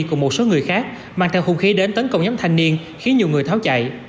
cùng một số người khác mang theo hung khí đến tấn công nhóm thanh niên khiến nhiều người tháo chạy